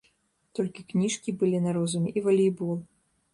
Толькі кніжкі былі на розуме і валейбол.